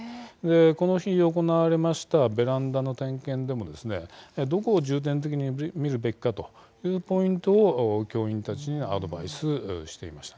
この日、行われましたベランダの点検でもどこを重点的に見るべきかというポイントも教員たちにアドバイスしていました。